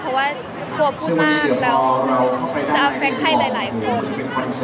เพราะว่ากลัวพูดมากแล้วจะเอาเฟคให้หลายคน